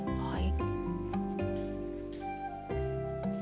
はい。